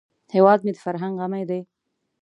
هیواد مې د فرهنګ غمی دی